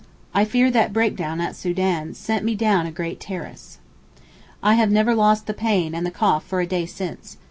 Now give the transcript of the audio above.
I fear that break down at Soden sent me down a great terrace. I have never lost the pain and the cough for a day since.